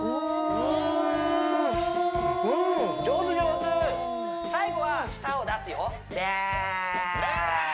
うん上手上手最後は舌を出すよ「べー」べー！